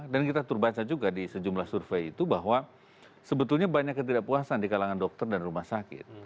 dan kita terbaca juga di sejumlah survei itu bahwa sebetulnya banyak ketidakpuasan di kalangan dokter dan rumah sakit